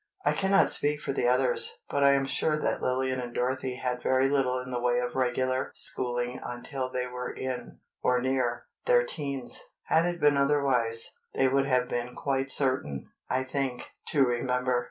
I cannot speak for the others, but I am sure that Lillian and Dorothy had very little in the way of regular schooling until they were in, or near, their 'teens. Had it been otherwise, they would have been quite certain, I think, to remember.